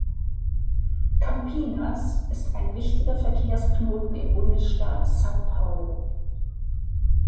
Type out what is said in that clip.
Campinas ist ein wichtiger Verkehrsknoten im Bundesstaat São Paulo.